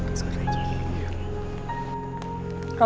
saya cek di pinggir